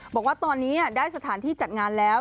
บอกว่าตอนนี้ได้สถานที่จัดงานแล้ว